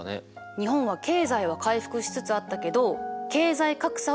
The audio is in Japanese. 日本は経済は回復しつつあったけど経済格差は広がった。